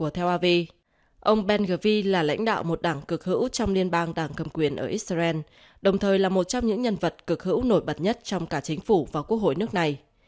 theo av ông bengavi là lãnh đạo một đảng cực hữu trong liên bang đảng cầm quyền ở israel đồng thời là một trong những nhân vật cực hữu nổi bật nhất trong cả chính phủ và quốc hội nước này